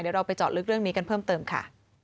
เดี๋ยวเราไปเจาะลึกเรื่องนี้กันเพิ่มเติมค่ะ